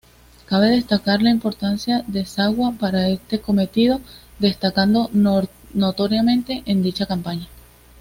Cabe destacar la importancia de Sawa para este cometido, destacando notoriamente en dicha campaña.